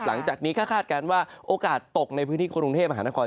หลังจากนี้ก็คาดการณ์ว่าโอกาสตกในพื้นที่กรุงเทพมหานคร